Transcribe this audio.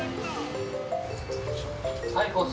はいコース